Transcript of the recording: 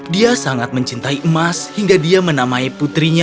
dia sangat mencintai emas hingga dia menamai putrinya